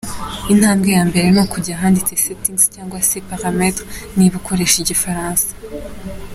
Intambwe ya mbere ni ukujya ahanditse Settings cyangwa se Parametres niba ukoresha Igifaransa.